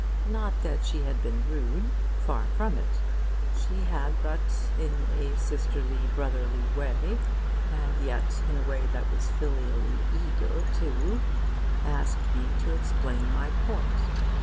Not that she had been rude. Far from it. She had but in a sisterly, brotherly way, and yet in a way that was filially eager too, asked me to explain my point.